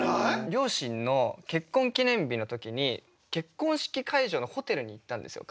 両親の結婚記念日の時に結婚式会場のホテルに行ったんですよ